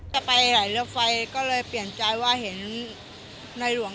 แค่นี้แหละครับ